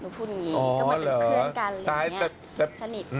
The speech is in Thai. หนูพูดอย่างนี้ก็ไม่เป็นเพื่อนกันอย่างนี้สนิท